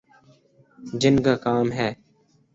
جن کا کام ہے۔